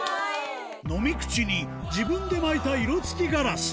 飲み口に自分で巻いた色付きガラス